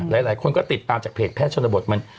หลายคนก็ติดตามจากเพจแพทย์ชนบทมัน